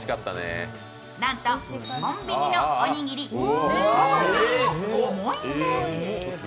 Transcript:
なんとコンビニのおにぎり２個分よりも重いんです。